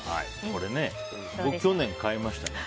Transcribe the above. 僕、去年買いました。